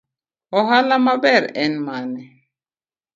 Ohala maber en mane.